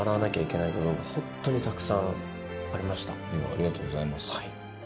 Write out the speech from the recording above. ありがとうございます。